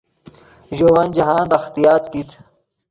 ژے ون جاہند اختیاط کیت